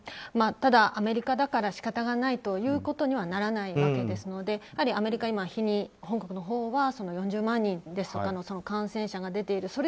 ただ、アメリカだから仕方がないということにはならないわけですのでアメリカは今、本国のほうは４０万人とかの感染者が出ている。